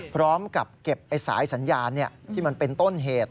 พร้อมกับเก็บสายสัญญาณที่มันเป็นต้นเหตุ